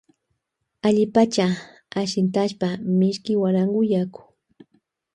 Allipacha ashintashpa mishki guarango yaku.